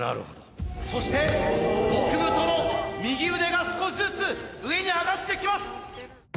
そして極太の右腕が少しずつ上に上がってきます！